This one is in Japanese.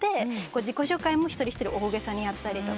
自己紹介も一人一人大げさにやったりとか。